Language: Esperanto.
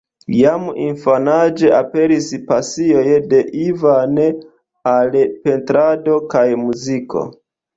Jam infanaĝe aperis pasioj de Ivan al pentrado kaj muziko.